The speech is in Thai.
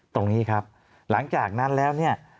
ตรงนี้ครับหลังจากนั้นแล้วเนี่ย